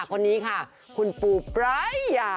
คนนี้ค่ะคุณปูปรายา